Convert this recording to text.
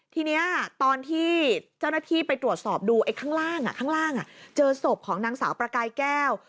ทีนี้ตอนที่เจ้าหน้าที่ไปตรวจสอบดูข้างล่างข้างล่างเจอศพของนางสาวประกายแก้ว